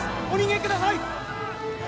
お逃げください！